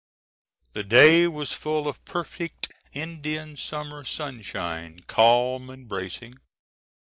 The day was full of perfect Indian summer sunshine, calm and bracing.